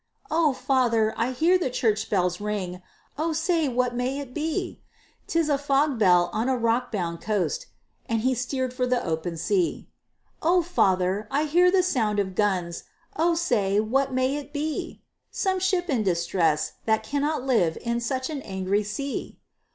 "O father! I hear the church bells ring, O say, what may it be?" "'Tis a fog bell on a rock bound coast!" And he steered for the open sea. "O father! I hear the sound of guns, Oh say, what may it be?" "Some ship in distress, that cannot live In such an angry sea!"